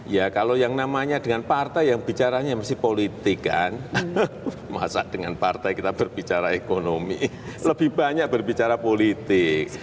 ya kalau yang namanya dengan partai yang bicaranya masih politik kan masa dengan partai kita berbicara ekonomi lebih banyak berbicara politik